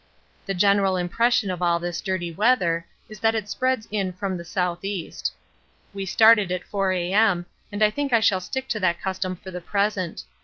The general impression of all this dirty weather is that it spreads in from the S.E. We started at 4 A.M., and I think I shall stick to that custom for the present.